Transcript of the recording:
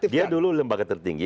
dia dulu lembaga tertinggi